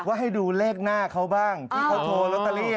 ว่าให้ดูเลขหน้าเขาบ้างที่เขาโทรโลตาเรีย